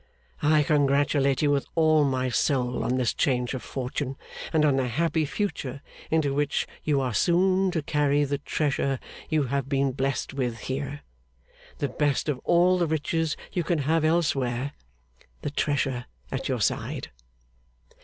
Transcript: I congratulate you with all my soul on this change of fortune, and on the happy future into which you are soon to carry the treasure you have been blest with here the best of all the riches you can have elsewhere the treasure at your side.